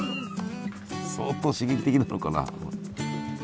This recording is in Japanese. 相当刺激的なのかな？